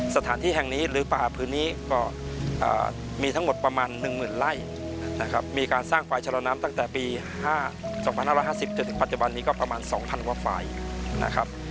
สถานที่แห่งนี้หรือป่าพื้นนี้ก็มีทั้งหมดประมาณหนึ่งหมื่นไร่นะครับมีการสร้างฝ่ายชะละน้ำตั้งแต่ปีห้าสองพันห้าร้ายห้าห้าสิบจนถึงปัจจุบันนี้ก็ประมาณสองพันกว่าฝ่ายนะครับ